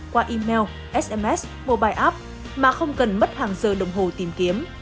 qua email sms mobile app mà không cần mất hàng giờ đồng hồ tìm kiếm